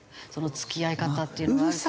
その付き合い方っていうのは。